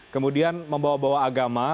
kemudian membawa bawa agama